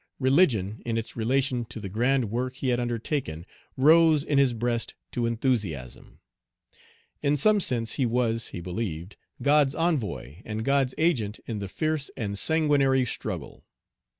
Religion, in its relation to the grand work he had undertaken, rose in his breast to enthusiasm. In some sense he was, he believed, God's envoy and God's agent in the fierce and sanguinary struggle.